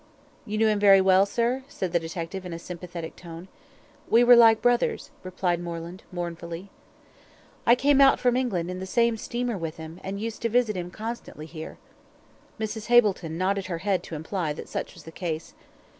"You knew him very well, sir?" said the detective, in a sympathetic tone. "We were like brothers," replied Moreland, mournfully. "I came out from England in the same steamer with him, and used to visit him constantly here." Mrs. Hableton nodded her head to imply that such was the case.